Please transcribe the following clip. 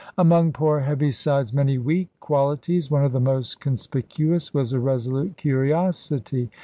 Among poor Heaviside's many weak qualities, one of the most conspicuous was a resolute curiosity.